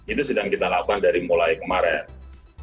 itu sedang kita lakukan dari mulai kemarin